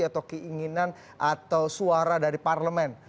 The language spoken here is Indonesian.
atau keinginan atau suara dari parlemen